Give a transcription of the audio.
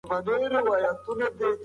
هغوی به تر سبا پورې غاښونه سم پاک کړي وي.